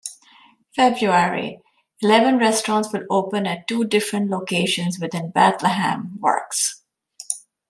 February - Eleven restaurants will open at two different locations within Bethlehem Works.